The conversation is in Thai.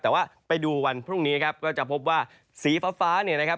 แต่ว่าไปดูวันพรุ่งนี้ครับก็จะพบว่าสีฟ้าฟ้าเนี่ยนะครับ